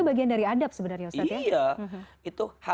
bagian dari adab sebenarnya ustadz ya